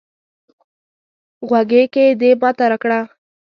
غوږيکې دې ماته راکړه